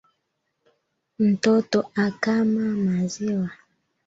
Ntoto akama maziwa